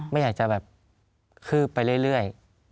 ไม่อยากจะแบบคืบไปเรื่อย